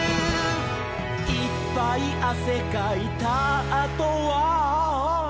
「いっぱいあせかいたあとは」